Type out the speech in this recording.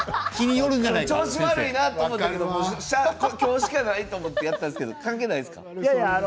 調子、悪いなと思って今日しかないと思ってやったんですけど関係ないですか。